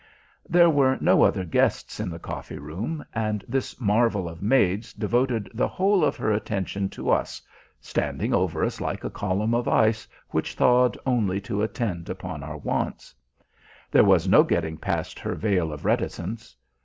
There were no other guests in the coffee room, and this marvel of maids devoted the whole of her attention to us, standing over us like a column of ice which thawed only to attend upon our wants. There was no getting past her veil of reticence.